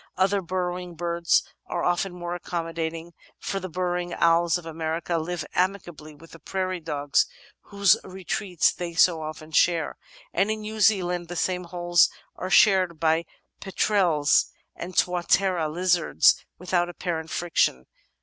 Other burrowing birds are often more ac commodating, for the Burrowing Owls of America live amicably with the Prairie Dogs whose retreats they so often share, and in New Zealand the same holes are shared by Petrels and Tuatera Lizards without apparent friction.